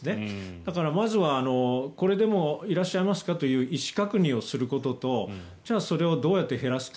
だから、まずはこれでもいらっしゃいますかという意思確認をすることとじゃあ、それをどうやって減らすか。